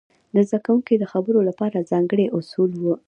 د زده کوونکو د خبرو لپاره ځانګړي اصول وو.